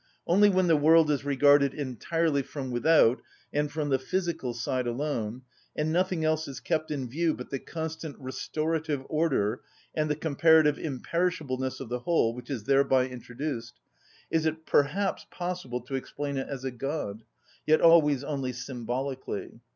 Only when the world is regarded entirely from without and from the physical side alone, and nothing else is kept in view but the constant restorative order, and the comparative imperishableness of the whole which is thereby introduced, is it perhaps possible to explain it as a god, yet always only symbolically.